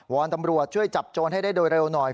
อนตำรวจช่วยจับโจรให้ได้โดยเร็วหน่อย